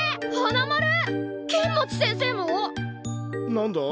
何だ？